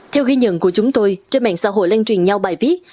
theo ghi nhận của chúng tôi trên mạng xã hội lan truyền nhau bài viết